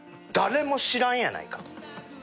誰も知らんやないかと。